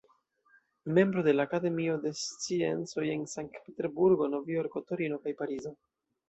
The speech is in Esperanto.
Membro de Akademio de Sciencoj en Sankt-Peterburgo, Nov-Jorko, Torino kaj Parizo.